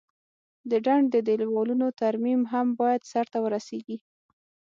د ډنډ د دیوالونو ترمیم هم باید سرته ورسیږي.